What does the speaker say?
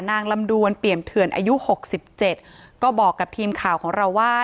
ลำดวนเปี่ยมเถื่อนอายุ๖๗ก็บอกกับทีมข่าวของเราว่า